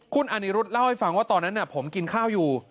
คุณอานิรุธเล่าให้ฟังว่าตอนนั้นผมกินข้าวอยู่